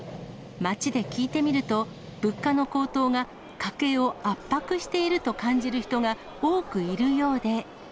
街で聞いてみると、物価の高騰が家計を圧迫していると感じる人が多くいるようで。